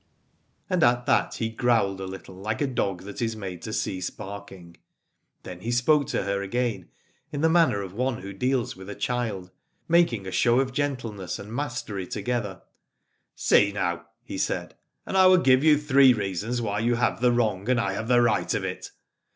And at that he growled a little, like a dog that is made to cease barking. Then he spoke to her again, in the manner of one who deals with a child, making a show of gentleness and mastery together. See now, he said, and I will give you three reasons why you have the wrong and I have the right of it.